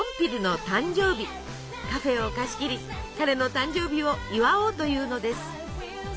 カフェを貸し切り彼の誕生日を祝おうというのです。